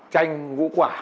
chanh vũ quả